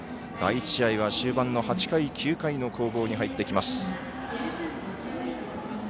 第１試合は終盤の８回、９回の攻防に入っていきます。